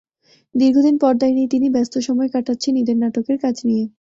দীর্ঘদিন পর্দায় নেই তিনি, ব্যস্ত সময় কাটাচ্ছেন ঈদের নাটকের কাজ নিয়ে।